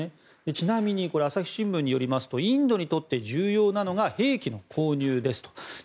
ちなみに、朝日新聞によりますとインドにとって重要なのが兵器の購入ですと。